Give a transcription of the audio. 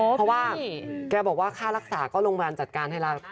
เพราะว่าแกบอกว่าค่ารักษาก็โรงพยาบาลจัดการให้แล้ว